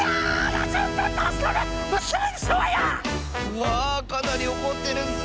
うわあかなりおこってるッス。